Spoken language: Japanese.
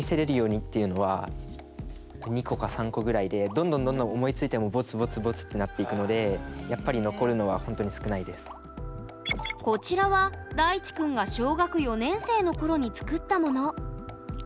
どんどんどんどん思いついてもボツボツボツってなっていくのでこちらは大智くんが小学４年生の頃に作ったもの。